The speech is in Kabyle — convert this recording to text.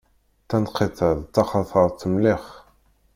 Taneqqiṭ-a d taxatart mliḥ.